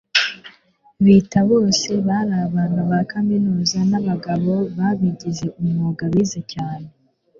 bita, bose bari abantu ba kaminuza nabagabo babigize umwuga bize cyane